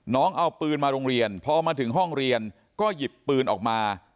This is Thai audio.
น้องเอาปืนมาโรงเรียนพอมาถึงห้องเรียนก็หยิบปืนออกมา